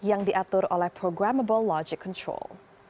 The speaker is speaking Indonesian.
yang diatur oleh programable logic control